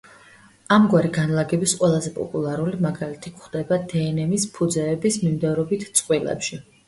ამგვარი განლაგების ყველაზე პოპულარული მაგალითი გვხვდება დნმ-ის ფუძეების მიმდევრობით წყვილებში.